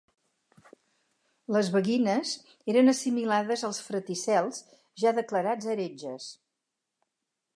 Les beguines eren assimilades als fraticels, ja declarats heretges.